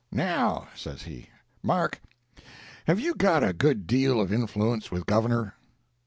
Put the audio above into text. "Now," says he, "Mark, have you got a good deal of influence with Governor?"